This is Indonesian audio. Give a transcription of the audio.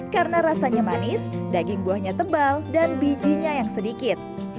karena rasanya manis daging buahnya tebal dan bijinya yang sedikit